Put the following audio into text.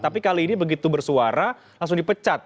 tapi kali ini begitu bersuara langsung dipecat